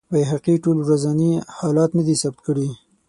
بیهقي ټول ورځني حالات نه دي ثبت کړي.